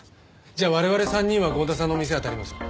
じゃあ我々３人は剛田さんの店あたります。